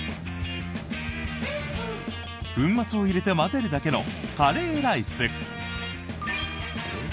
粉末を入れて混ぜるだけのカレーライス。